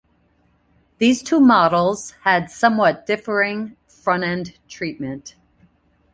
These two models had somewhat differing front-end treatment.